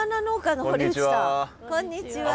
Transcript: こんにちは。